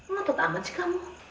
kena tut amat sih kamu